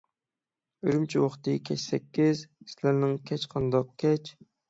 ئۈرۈمچى ۋاقتى كەچ سەككىز، سىلەرنىڭ كەچ قانداق كەچ؟